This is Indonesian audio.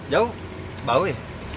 jauh bau ya